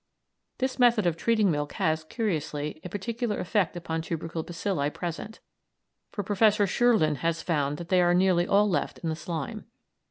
This method of treating milk has, curiously, a particular effect upon tubercle bacilli present, for Professor Scheurlen has found that they are nearly all left in the slime.